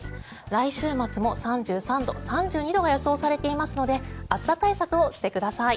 来週末も３３度、３２度が予想されていますので暑さ対策をしてください。